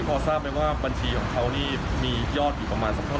พอทราบไหมว่าบัญชีของเขานี่มียอดอยู่ประมาณสักเท่า